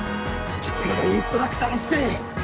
たかがインストラクターのくせに！